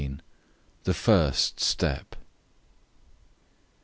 THE FIRST STEP.